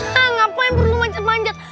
nah ngapain perlu manjat manjat